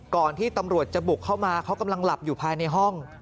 ก่อนที่ตำรวจจะบุกเข้ามาเขากำลังหลับอยู่ภายในห้อง